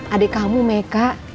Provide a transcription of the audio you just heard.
adik kamu mereka